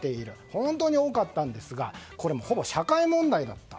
本当に多かったんですがこれ、ほぼ社会問題だった。